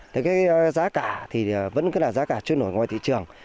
thế cái giá cả thì vẫn cứ là giá cả trôi nổi ngoài thị trường